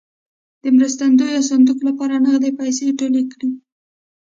د مرستندویه صندوق لپاره نغدې پیسې ټولې کړې.